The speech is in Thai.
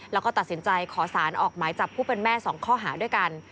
แล้วก็ตัดสินใจขอสารออกหมายจับผู้เป็นแม่๒ข้อหาด้วยกัน